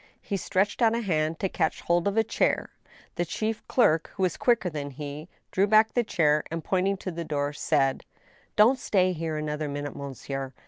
He stretched out a hand to catch hold of a chair. The chief clerk, who was quicker than he, drew back the chair, and, pointing to the door, said : "Don't stay here another minute, monsieur!